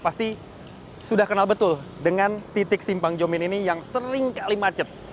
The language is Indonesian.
pasti sudah kenal betul dengan titik simpang jomin ini yang seringkali macet